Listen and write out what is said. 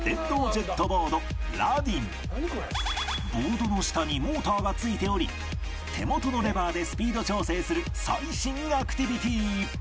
ボードの下にモーターが付いており手元のレバーでスピード調整する最新アクティビティ